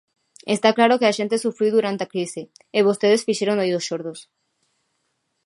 Está claro que a xente sufriu durante a crise, e vostedes fixeron oídos xordos.